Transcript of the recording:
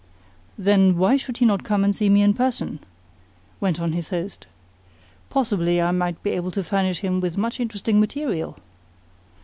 "Then why should he not come and see me in person?" went on his host. "Possibly I might be able to furnish him with much interesting material?"